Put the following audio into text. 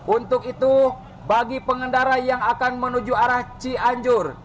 untuk itu bagi pengendara yang akan menuju arah cianjur